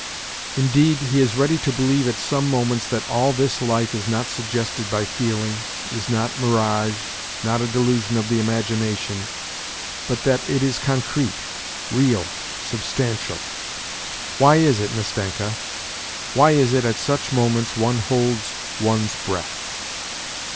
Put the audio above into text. Indeed, he is ready to believe at some moments that all this life is not suggested by feeling, is not mirage, not a delusion of the imagination, but that it is concrete, real, sub stantial ! Why is it, Nastenka, why is it at such moments one holds one's breath